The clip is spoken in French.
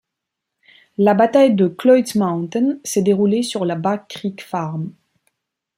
La bataille de Cloyd's Mountain s'est déroulée sur la Back Creek Farm.